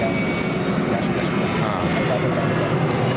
jadi intinya dipoin pemeliharaan